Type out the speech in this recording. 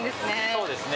そうですね。